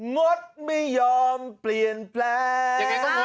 งดไม่ยอมเปลี่ยนแปลง